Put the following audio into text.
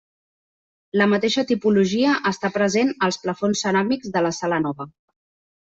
La mateixa tipologia està present als plafons ceràmics de la Sala Nova.